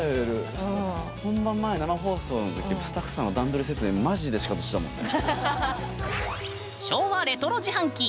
本番前、生放送の時スタッフさんの段取り説明マジでシカトしたもんね。